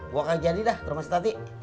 buah kaki jadi dah termasuk tati